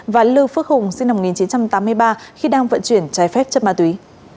và lưu phước hùng sinh năm một nghìn chín trăm tám mươi ba khi đang vận chuyển trái phép chất ma túy